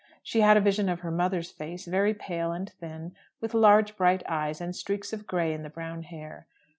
She had a vision of her mother's face, very pale and thin, with large bright eyes, and streaks of gray in the brown hair.